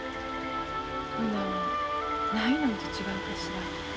ほなないのんと違うかしら。